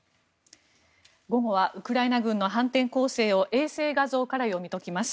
午後はウクライナ軍の反転攻勢を衛星画像から読み解きます。